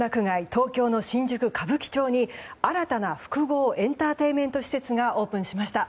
東京の新宿・歌舞伎町に新たな複合エンターテインメント施設がオープンしました。